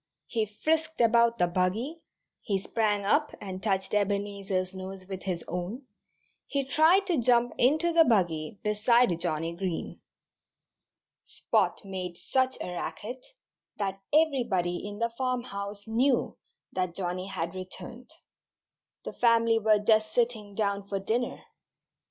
He frisked about the buggy, he sprang up and touched Ebenezer's nose with his own, he tried to jump into the buggy beside Johnnie Green. Spot made such a racket that everybody in the farmhouse knew that Johnnie had returned. The family were just sitting down for dinner.